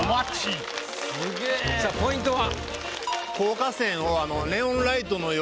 さぁポイントは？